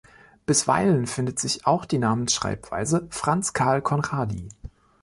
Bisweilen findet sich auch die Namensschreibweise Franz Carl Conradi.